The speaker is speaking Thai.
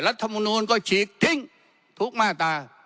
รัฐมนูลก็ฉีกทิ้งทุกมาตรา